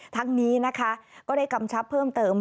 ทั้งนี้นะคะก็ได้กำชับเพิ่มเติม